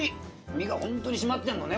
身がほんとに締まってんのね